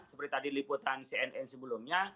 seperti tadi liputan cnn sebelumnya